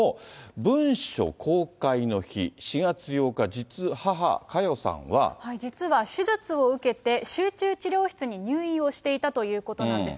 文書公開の日、４月８日、実は母、実は手術を受けて、集中治療室に入院をしていたということなんです。